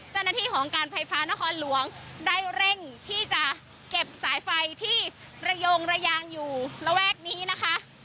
เจ้าหน้าที่ของการไฟฟ้านครหลวงได้เร่งที่จะเก็บสายไฟที่ระยงระยางอยู่ระแวกนี้นะคะ